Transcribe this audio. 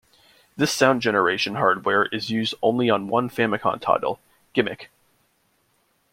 This sound generation hardware is used on only one Famicom title: "Gimmick!".